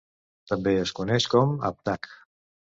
També es coneix com a avtag.